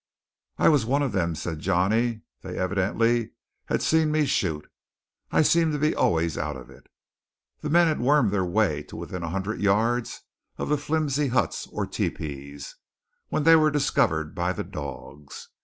"I was one of them," said Johnny. "They evidently have seen me shoot. I seem to be always out of it." The men had wormed their way to within a hundred yards of the flimsy huts, or tepees, when they were discovered by the dogs.